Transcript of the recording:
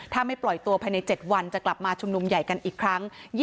ถ้าไม่ปล่อยตัวภายใน๗วันจะกลับมาชุมนุมใหญ่กันอีกครั้ง